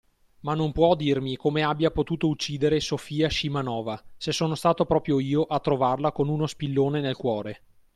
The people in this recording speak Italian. Ma non può dirmi come abbia potuto uccidere Sofia Scimanova, se sono stato proprio io a trovarla con uno spillone nel cuore!